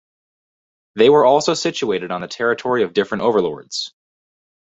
They were also situated on the territory of different overlords.